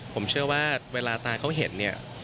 ผมเชื่อว่าเวลาตานเขาเห็น